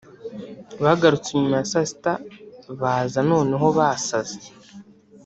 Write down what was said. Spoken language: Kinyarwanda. Bagarutse nyuma ya saa sita baza noneho basaze